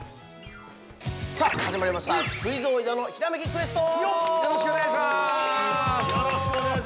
◆さあ始まりました、「クイズ王・伊沢のひらめきクエスト」。